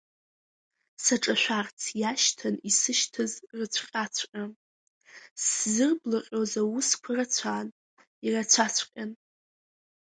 Саҿашәарц иашьҭан исышьҭаз рыцәҟьаҵәҟьа, сзырблаҟьоз аусқәа рацәан, ирацәаҵәҟьан.